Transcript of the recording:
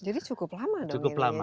jadi cukup lama dong ini ya